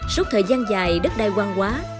suốt thời gian dài đất đai quang quá